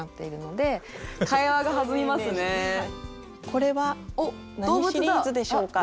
これは何シリーズでしょうか？